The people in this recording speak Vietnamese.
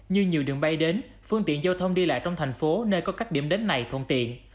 như nhiều đường bay đến phương tiện giao thông đi lại trong thành phố nơi có các điểm đến này thuận tiện